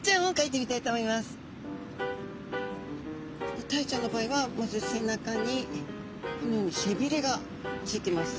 ではタイちゃんの場合はまず背中にこのように背びれがついてます。